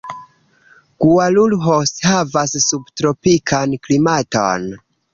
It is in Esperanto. Guarulhos havas subtropikan klimaton.